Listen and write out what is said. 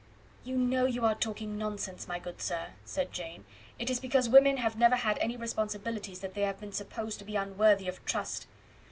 "You know you are talking nonsense, my good sir," said Jane. "It is because women have never had any responsibilities that they have been supposed to be unworthy of trust.